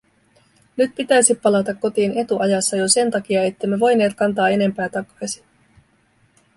Nyt pitäisi palata kotiin etuajassa jo sen takia, ettemme voineet kantaa enempää takaisin.